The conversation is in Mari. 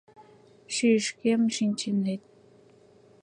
— Шӱйышкем шичнет...